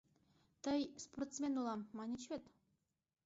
Тый «спортсмен улам» маньыч вет?